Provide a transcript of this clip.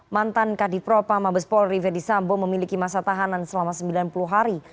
mantan kadipropa mabes polri ferdisambo memiliki masa tahanan selama sembilan puluh hari